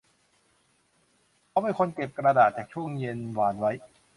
เขาเป็นคนเก็บกระดาษจากช่วงเย็นวานไว้